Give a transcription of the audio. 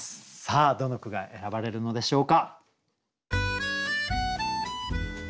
さあどの句が選ばれるのでしょうか。